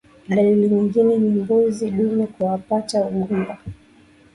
Dalili nyingine ni mbuzi dume kuapata ugumba